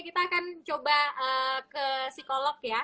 kita akan coba ke psikolog ya